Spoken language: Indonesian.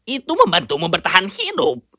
itu membantumu bertahan hidup